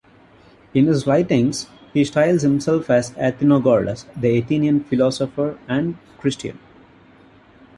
In his writings he styles himself as "Athenagoras, the Athenian, Philosopher, and Christian".